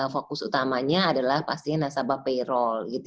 fokus utamanya adalah pastinya nasabah payroll